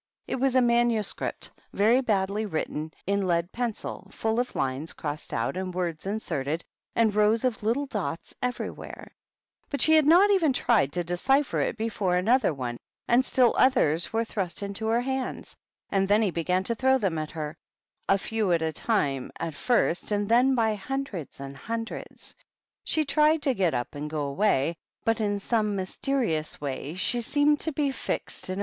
It was a manuscript very badly written in lead pencil, full of lines crossed out, and words in serted, and rows of little dots everywhere; but she had not even tried to decipher it before an other one, and still others, were thrust into her hands ; and then he began to throw them at her, a few at a time at first, and then by hundreds and hundreds. She tried to get up and go away, but in some mysterious way she seemed to be fixed in THE BI8HOP8.